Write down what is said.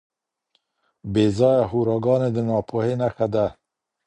بې ځایه هوراګانې د ناپوهۍ نښه ده.